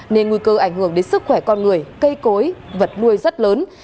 nên nguy cơ ảnh hưởng đến sức khỏe con người cây cối vật nuôi rất lớn